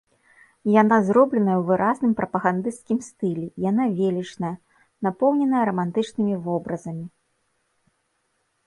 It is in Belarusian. Яна зробленая ў выразным прапагандысцкім стылі, яна велічная, напоўненая рамантычнымі вобразамі.